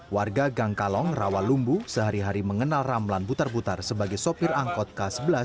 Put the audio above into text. warga gangkalong rawalumbu sehari hari mengenal ramlan butar butar sebagai sopir angkot k sebelas